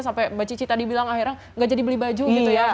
sampai mbak cici tadi bilang akhirnya nggak jadi beli baju gitu ya